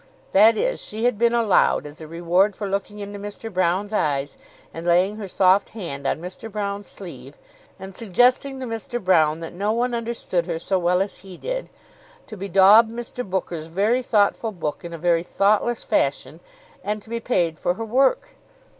That is, she had been allowed, as a reward for looking into Mr. Broune's eyes, and laying her soft hand on Mr. Broune's sleeve, and suggesting to Mr. Broune that no one understood her so well as he did, to bedaub Mr. Booker's very thoughtful book in a very thoughtless fashion, and to be paid for her work.